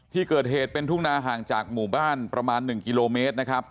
ที่เกิดเหตุเป็นทุ่งนาห่างจากหมู่บ้านประมาณ๑กิโลเมตรนะครับ